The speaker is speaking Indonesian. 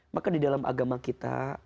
maka di dalam agama kita